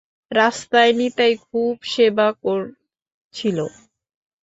রাস্তায় নিতাই খুব সেবা করেছিল।